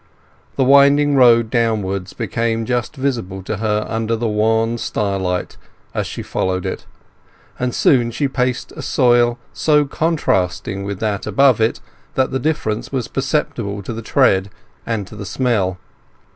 The winding road downwards became just visible to her under the wan starlight as she followed it, and soon she paced a soil so contrasting with that above it that the difference was perceptible to the tread and to the smell.